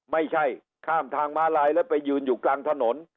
ไม่ใช่ข้ามทางม้าลายแล้วไปยืนอยู่กลางถนน